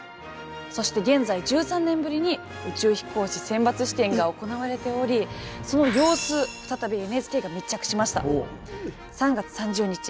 そして現在１３年ぶりに宇宙飛行士選抜試験が行われておりその様子再びＮＨＫが密着しました。